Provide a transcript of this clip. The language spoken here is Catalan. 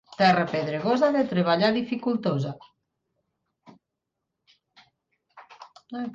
Terra pedregosa, de treballar dificultosa.